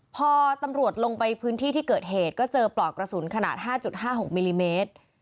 พอตำรวจลงไปพื้นที่ที่เกิดเหตุก็เจอปลอกกระสุนขนาด๕๕๖มิลลิเมตร